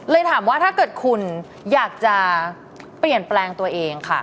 ถามว่าถ้าเกิดคุณอยากจะเปลี่ยนแปลงตัวเองค่ะ